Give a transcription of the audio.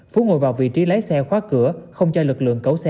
phú ngồi vào vị trí lái xe khóa cửa không cho lực lượng cấu xe về trụ sở